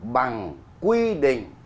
bằng quy định